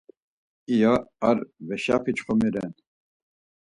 iya ar veşap̌i çxomi ren.